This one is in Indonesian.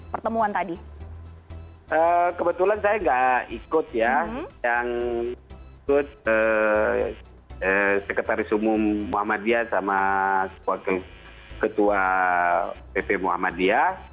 kebetulan saya tidak ikut ya yang ikut sekretaris umum muhammadiyah sama ketua bp muhammadiyah